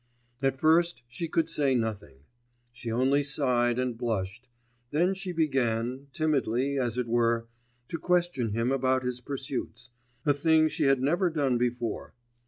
At first she could say nothing; she only sighed and blushed; then she began, timidly as it were, to question him about his pursuits, a thing she had never done before.